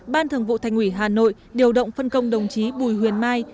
ban thường vụ thành ủy hà nội điều động phân công đồng chí bùi huyền mai